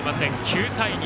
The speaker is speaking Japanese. ９対２。